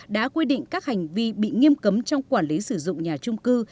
đã quy định các hành vi bị nghiêm cấm trong quản lý sử dụng nhà trung cư